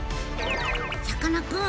さかなクン